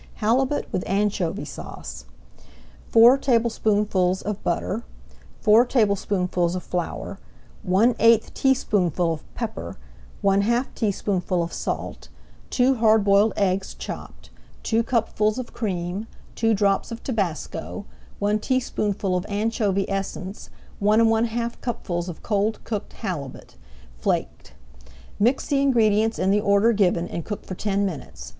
HALIBUT WITH ANCHOVY SAUCE Four tablespoonfuls of butter, four tablespoonfuls of flour, one eighth teaspoonful of pepper, one half teaspoonful of salt, two hard boiled eggs chopped, two cupfuls of cream, two drops of tabasco, one teaspoonful of anchovy essence, one and one half cupfuls of cold cooked halibut, flaked. Mix the ingredients in the order given and cook for ten minutes.